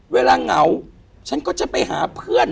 เหงาฉันก็จะไปหาเพื่อน